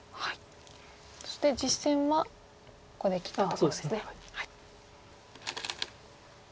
そして実戦はここで切ったところですね。